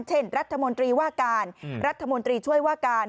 เช่นรัฐมนตรีว่าการรัฐมนตรีช่วยว่าการ